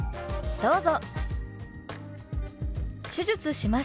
どうぞ！